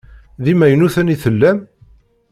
D imaynuten i tellam?